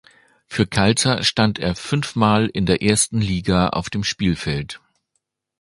Für Khalsa stand er fünfmal in der ersten Liga auf dem Spielfeld.